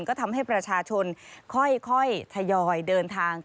ก็ทำให้ประชาชนค่อยทยอยเดินทาง